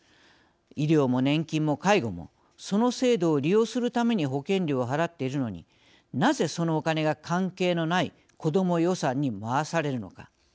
医療も年金も介護もその制度を利用するために保険料を払っているのになぜそのお金が関係のない子ども予算に回されるのか。